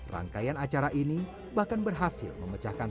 rangkaian acara ini bahkan berhasil memecahkan